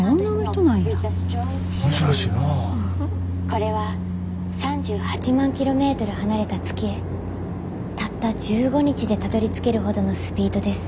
これは３８万キロメートル離れた月へたった１５日でたどりつけるほどのスピードです。